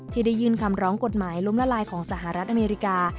ที่ได้ยื่นคำร้องกฎหมายล้มละลายของสหรัฐอเมริกา